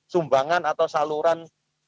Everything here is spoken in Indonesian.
sumbangan atau saluran